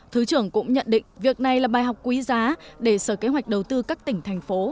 thứ trưởng cũng nhận định việc này là bài học quý giá để sở kế hoạch đầu tư các tỉnh thành phố